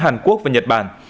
trung quốc và nhật bản